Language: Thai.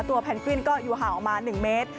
แพนกวินก็อยู่ห่างออกมา๑เมตร